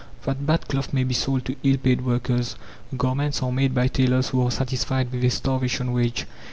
That bad cloth may be sold to ill paid workers, garments are made by tailors who are satisfied with a starvation wage!